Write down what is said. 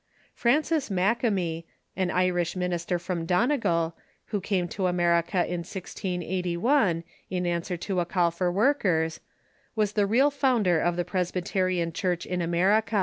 Francis ]\[akemie, an Irish minister from Donegal, who came to America in 1681, in answer to a call for workers, was the real founder of the Presbyterian Church in America.